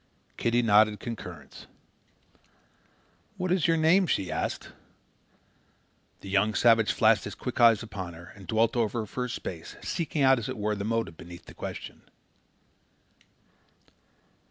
Kitty nodded concurrence. "What is your name?" she asked. The young savage flashed his quick eyes upon her and dwelt over her for a space, seeking out, as it were, the motive beneath the question.